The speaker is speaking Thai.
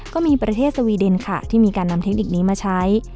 ก็มีประเทศสวีเดนค่ะที่มีการนำเทคนิคนี้มาใช้